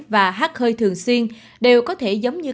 và hát hơi thường xuyên đều có thể giống như